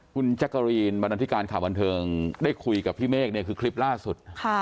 คุณแจ๊กกะรีนบรรณาธิการข่าวบันเทิงได้คุยกับพี่เมฆเนี่ยคือคลิปล่าสุด